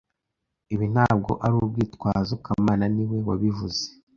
Ibi ntabwo ari urwitwazo kamana niwe wabivuze